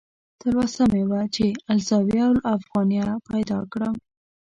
تلوسه مې وه چې "الزاویة الافغانیه" پیدا کړم.